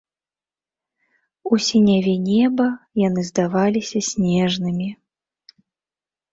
У сіняве неба яны здаваліся снежнымі.